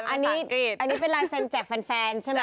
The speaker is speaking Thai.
อันนี้เป็นลายเซ็นแจกแฟนใช่ไหม